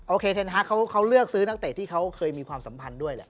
โอเคเทนฮักเขาเลือกซื้อนักเตะที่เขาเคยมีความสัมพันธ์ด้วยแหละ